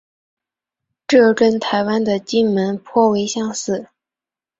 这跟台湾的金门颇为相似。